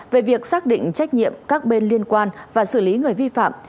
về việc xác định trách nhiệm các bên liên quan và xử lý người vi phạm